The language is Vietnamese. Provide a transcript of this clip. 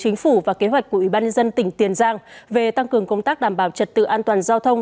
chính phủ và kế hoạch của ủy ban dân tỉnh tiền giang về tăng cường công tác đảm bảo trật tự an toàn